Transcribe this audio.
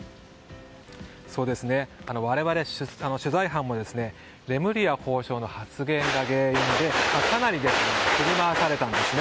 我々、取材班もレムリヤ法相の発言が原因でかなり振り回されたんですね。